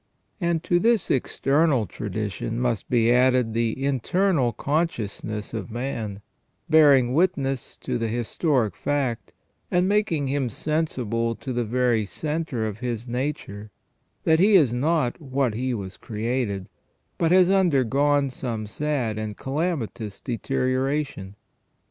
And to this external tradition must be added the internal con sciousness of man, bearing witness to the historic fact, and making him sensible to the very centre of his nature that he is not what he was created, but has undergone some sad and calami tous deterioration.